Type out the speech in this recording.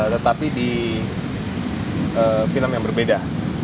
tetapi di film yang berbeda